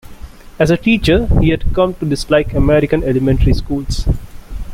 As a teacher, he had come to dislike American elementary schools.